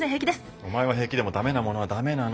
お前は平気でもダメなものはダメなの。